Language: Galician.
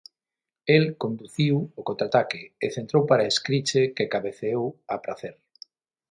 El conduciu o contraataque e centrou para Escriche, que cabeceou a pracer.